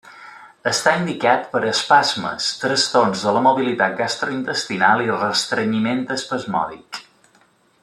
Està indicat per espasmes, trastorns de la motilitat gastrointestinal i restrenyiment espasmòdic.